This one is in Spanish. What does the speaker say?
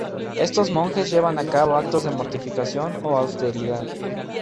Estos monjes llevan a cabo actos de mortificación o austeridad.